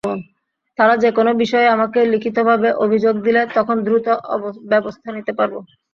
তাঁরা যেকোনো বিষয়ে আমাকে লিখিতভাবে অভিযোগ দিলে তখন দ্রুত ব্যবস্থা নিতে পারব।